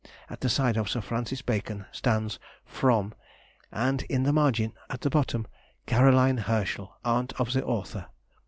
At the side of Sir Francis Bacon stands "from" and in the margin at the bottom, "Caroline Herschel, aunt of the author."